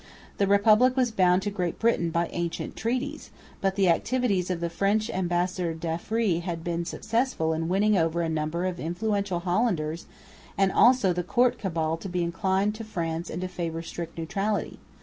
The Republic was bound to Great Britain by ancient treaties; but the activities of the French ambassador, D'Affry, had been successful in winning over a number of influential Hollanders and also the court cabal to be inclined to France and to favour strict neutrality.